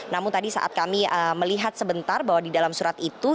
namun tadi saat kami melihat sebentar bahwa di dalam surat itu